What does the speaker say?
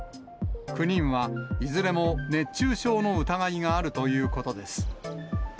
９人はいずれも熱中症の疑いがあるということです。